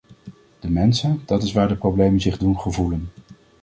De mensen, dat is waar de problemen zich doen gevoelen.